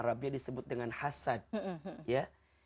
iri dan dengki disebut dengan hasad ya